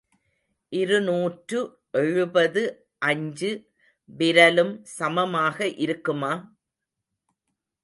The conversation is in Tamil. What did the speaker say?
இருநூற்று எழுபது அஞ்சு விரலும் சமமாக இருக்குமா?